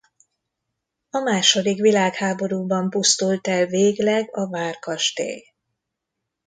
A második világháborúban pusztult el végleg a várkastély.